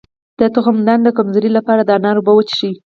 د تخمدان د کمزوری لپاره د انار اوبه وڅښئ